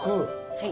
はい。